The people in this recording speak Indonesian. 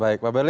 baik bang belia